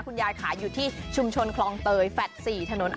ขุนยายขายอยู่ที่ชุมชนคลองเตยแฟด๔ถนนอาตนะโรงเขต